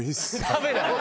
食べない？